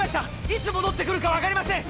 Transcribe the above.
いつ戻ってくるか分かりません！